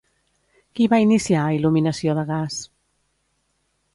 Qui va iniciar a il·luminació de gas?